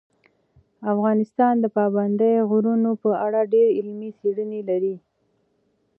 افغانستان د پابندي غرونو په اړه ډېرې علمي څېړنې لري.